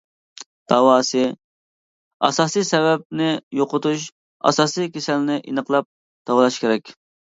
داۋاسى: ئاساسىي سەۋەبىنى يوقىتىش، ئاساسىي كېسەلنى ئېنىقلاپ داۋالاش كېرەك.